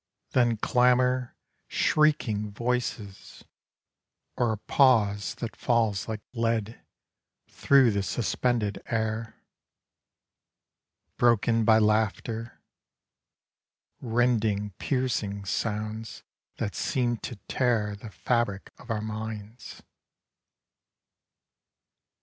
Then clamour, shrieking voices, or a pause That falls like lead through the suspended air ; Broken by laughter, — rending piercing sounds That seem to tear the fabric of our minds.